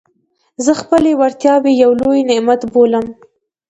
زه خپلي وړتیاوي یو لوی نعمت بولم.